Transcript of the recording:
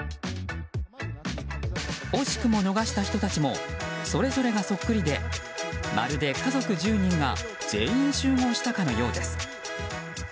惜しくも逃した人たちもそれぞれがそっくりでまるで家族１０人が全員集合したかのようです。